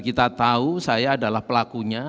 kita tahu saya adalah pelakunya